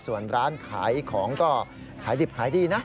ส่วนร้านขายของก็ขายดิบขายดีนะ